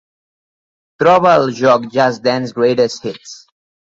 Troba el joc Just Dance Greatest Hits